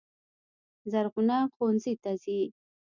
زرغونه ښوونځي ته ځي.